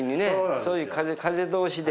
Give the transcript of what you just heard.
そういう風通しで。